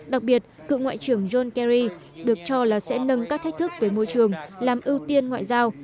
đặc biệt cựu ngoại trưởng john kerry được cho là sẽ nâng các thách thức về môi trường làm ưu tiên ngoại giao